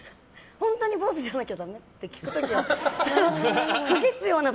本当に坊主じゃなきゃだめ？って聞くかも。